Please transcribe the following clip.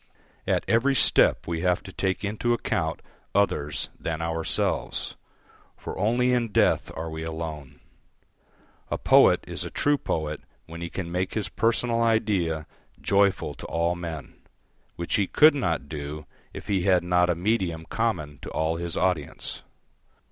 At every step we have to take into account others than ourselves. For only in death are we alone. A poet is a true poet when he can make his personal idea joyful to all men, which he could not do if he had not a medium common to all his audience.